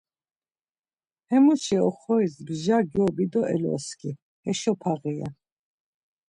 Hemuşi oxoris mja gobi do eloski, heşo paği ren.